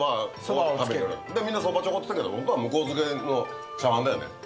みんなそばちょこっつってるけどホントは向付の茶わんだよね。